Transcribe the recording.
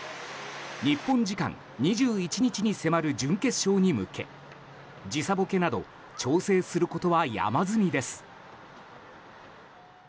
日本時間２１日に迫る準決勝に向け時差ボケなど調整することは山積みです。